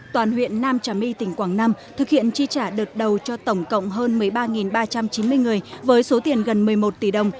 toàn huyện nam trà my tỉnh quảng nam thực hiện chi trả đợt đầu cho tổng cộng hơn một mươi ba ba trăm chín mươi người với số tiền gần một mươi một tỷ đồng